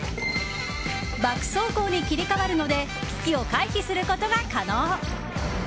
バック走行に切り替わるので危機を回避することが可能。